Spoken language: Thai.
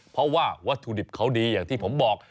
เพราะว่าวัตถุดิบเขาดีอย่างที่ผมบอก